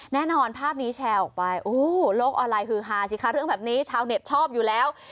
แน่นอนภาพนี้แชร์ออกไปโลกออนไลน์ฮือฮาสิคะเรื่องแบบนี้ชาวเน็ตชอบอยู่แล้ว